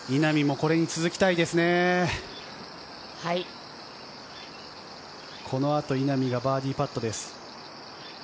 このあと稲見がバーディーパットです。